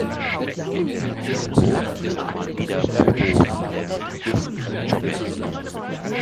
In der Disco ist mal wieder Bobo der Disk Jockey.